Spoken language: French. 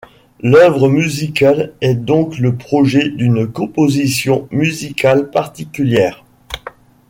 L'œuvre musicale est donc le projet d'une composition musicale particulière.